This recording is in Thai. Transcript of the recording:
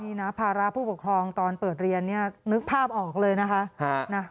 นี่นะภาระผู้ปกครองตอนเปิดเรียนเนี่ยนึกภาพออกเลยนะคะ